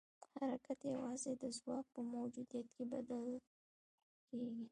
حرکت یوازې د ځواک په موجودیت کې بدل کېږي.